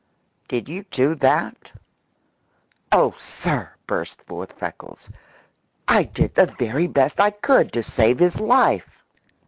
Did you do that?" "Oh, sir," burst forth Freckles, "I did the very best I could to save his life!